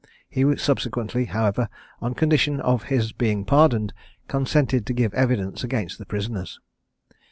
He subsequently, however, on condition of his being pardoned, consented to give evidence against the prisoners.